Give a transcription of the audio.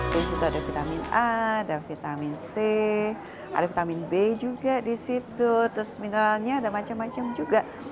di situ ada vitamin a vitamin c vitamin b mineralnya ada macam macam juga